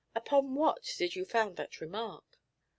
Upon what did you found that remark?'